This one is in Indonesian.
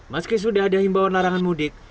meski sudah ada himbauan larangan mudik